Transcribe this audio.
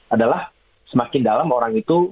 adalah semakin dalam orang itu